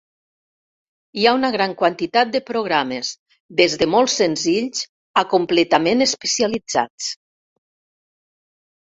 Hi ha una gran quantitat de programes, des de molt senzills a completament especialitzats.